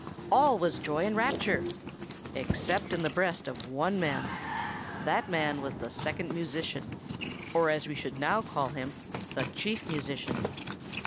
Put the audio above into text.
All was joy and rapture, except in the breast of one man; that man was the Second Musician, or, as we should now call him, the Chief Musician.